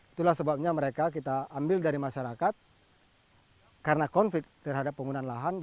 itulah sebabnya kita ambil bayi orangutan dari masyarakat karena konflik terhadap penggunaan lahan